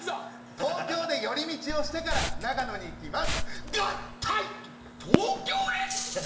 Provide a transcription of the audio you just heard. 東京で寄り道をしてから長野に行きます。